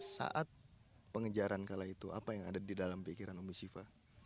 saat pengejaran kala itu apa yang ada di dalam pikiran umbu siva